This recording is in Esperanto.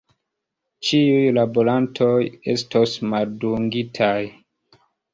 Ĉiuj laborantoj estos maldungitaj.